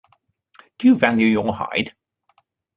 Do you value your hide.